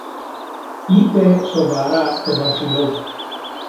είπε σοβαρά το Βασιλόπουλο.